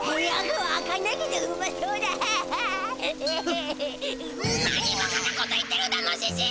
はっ何バカなこと言ってるだノシシ！